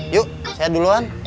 yuk saya duluan